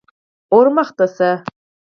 _ور مخته شه.